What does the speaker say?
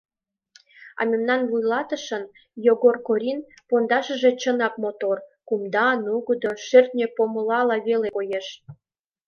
А мемнан вуйлатышын, Йогор Корин, пондашыже чынак мотор: кумда, нугыдо, шӧртньӧ помылала веле коеш.